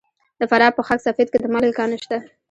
د فراه په خاک سفید کې د مالګې کان شته.